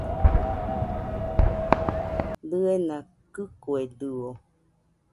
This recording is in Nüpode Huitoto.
Diena kɨkuedɨo